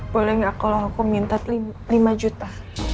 boleh nggak kalau aku minta lima juta